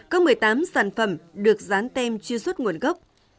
có một mươi tám sản phẩm được dán tem chuyên suất nguồn gốc